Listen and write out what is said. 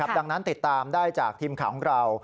ดังนั้นติดตามได้จากทีมข่าวของเรา